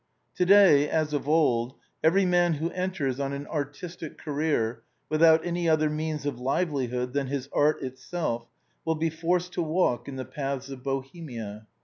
To day, as of old, every man who enters on an artistic career, without any other means of livelihood than his art itself, will be forced to walk in the paths of Bohemia.